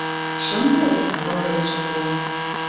— Шым пале, — малдалеш Акланов.